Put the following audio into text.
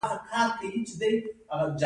آیا د پکول په سر کول هم دود نه دی؟